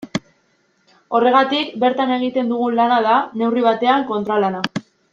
Horregatik bertan egiten dugun lana da, neurri batean, kontralana.